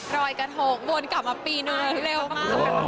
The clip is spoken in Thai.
รอยกระทงวนกลับมาปีนึงเร็วมาก